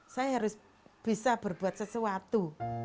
saya harus bisa berbuat sesuatu